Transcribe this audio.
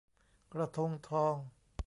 กระทงทอง